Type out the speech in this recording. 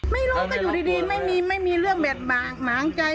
ไม่รู้ก็อยู่ดีไม่มีเรื่องเบ็ดบากหมางใจ